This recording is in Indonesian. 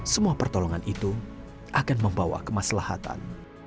semua pertolongan itu akan membawa kemaslahatan